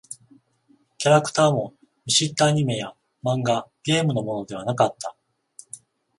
キャラクターも見知ったアニメや漫画、ゲームのものではなかった。